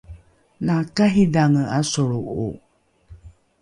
la karidhange ’asolro’o